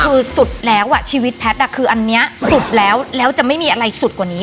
คือสุดแล้วชีวิตแพทย์คืออันนี้สรุปแล้วแล้วจะไม่มีอะไรสุดกว่านี้